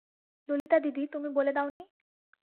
ললিতাদিদি, তুমি বলে দাও নি!